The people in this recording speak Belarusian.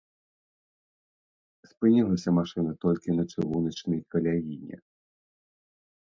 Спынілася машына толькі на чыгуначнай каляіне.